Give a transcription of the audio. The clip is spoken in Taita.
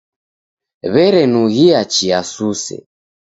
W'erenughia chia suse.